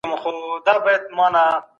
ليکوالان د ټولني په روزنه کي کليدي رول لري.